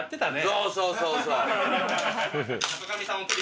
そうそうそうそう。